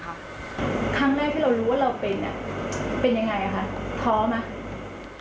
ครั้งแรกที่เรารู้ว่าเราเป็นเป็นยังไงคะท้อไหม